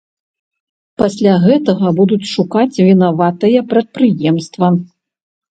Пасля гэтага будуць шукаць вінаватае прадпрыемства.